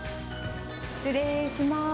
失礼します。